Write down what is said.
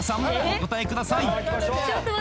お答えください